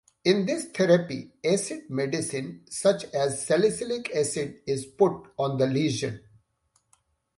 In this therapy, acid medicine, such as salicylic acid is put on the lesion.